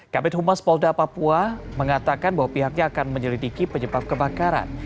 kabit humas polda papua mengatakan bahwa pihaknya akan menyelidiki penyebab kebakaran